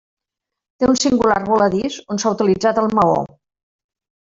Té un singular voladís on s'ha utilitzat el maó.